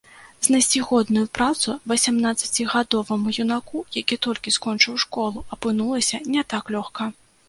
Знайсці годную працу васямнаццацігадоваму юнаку, які толькі скончыў школу, апынулася не так лёгка.